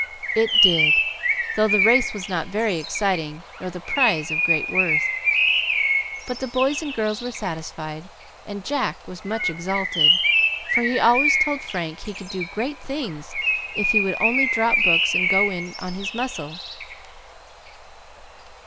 It did, though the race was not very exciting nor the prize of great worth; but the boys and girls were satisfied, and Jack was much exalted, for he always told Frank he could do great things if he would only drop books and "go in on his muscle."